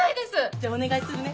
じゃあお願いするね。